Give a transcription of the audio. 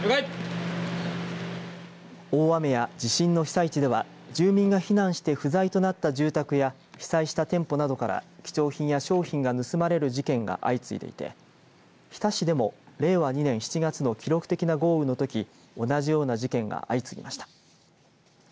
大雨や地震の被災地では住民が避難して不在となった住宅や被災した店舗などから貴重品や商品が盗まれる事件が相次いでいて日田市でも令和２年７月の記録的な豪雨のとき同じような事件が相次ぎました。